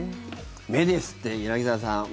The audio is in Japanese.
目ですって、柳澤さん。